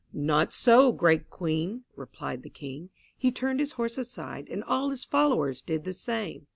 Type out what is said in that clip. "Not so, great Queen," replied the King. He turned his horse aside and all his followers did the same.